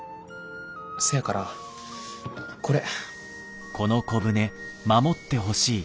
せやからこれ。